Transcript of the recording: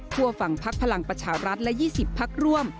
ฝั่งพักพลังประชารัฐและ๒๐พักร่วม